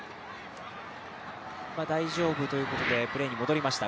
大丈夫ということでプレーに戻りました。